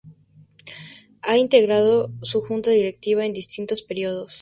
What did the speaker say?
Ha integrado su Junta Directiva en distintos períodos.